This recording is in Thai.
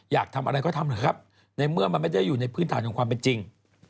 อยากทำอะไรก็ทำนะครับในเมื่อมันไม่ได้อยู่ในพื้นฐานของความเป็นจริง